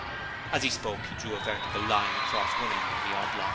As he spoke he drew a vertical line across one end of the oblong.